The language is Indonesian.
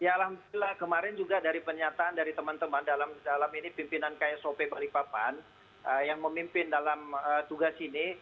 ya alhamdulillah kemarin juga dari penyataan dari teman teman dalam ini pimpinan ksop balikpapan yang memimpin dalam tugas ini